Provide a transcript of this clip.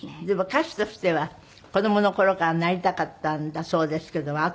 でも歌手としては子供の頃からなりたかったんだそうですけども。